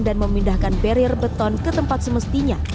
dan memindahkan perir beton ke tempat semestinya